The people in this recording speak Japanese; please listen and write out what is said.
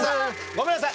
ごめんなさい。